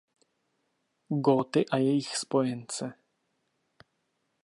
Góty a jejich spojence.